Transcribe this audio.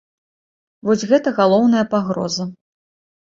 Вось гэта галоўная пагроза.